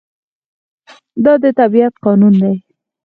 دا د طبیعت قانون دی.